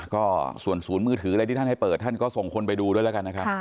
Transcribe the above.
ก็ส่วนศูนย์มือถืออะไรที่ท่านให้เปิดท่านก็ส่งคนไปดูด้วยแล้วกันนะครับ